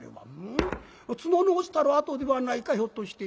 ん？角の落ちたる痕ではないかひょっとして。